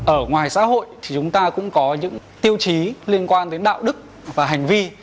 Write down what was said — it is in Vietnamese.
ở ngoài xã hội thì chúng ta cũng có những tiêu chí liên quan đến đạo đức và hành vi